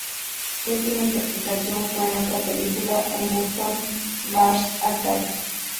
Su última interpretación fue en otra película de Burton, "Mars Attacks!